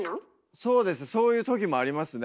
そうですそういう時もありますね